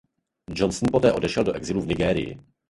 Johnson poté odešel do exilu v Nigérii.